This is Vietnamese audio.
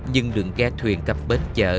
nhưng đường ghe thuyền cầm bến chợ